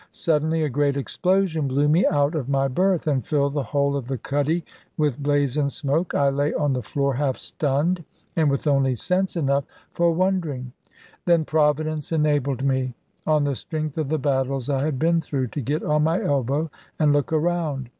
Suddenly a great explosion blew me out of my berth, and filled the whole of the cuddy with blaze and smoke. I lay on the floor half stunned, and with only sense enough for wondering. Then Providence enabled me, on the strength of the battles I had been through, to get on my elbow, and look around.